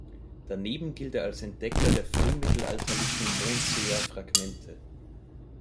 Daneben gilt er als Entdecker der frühmittelalterlichen Mondseer Fragmente.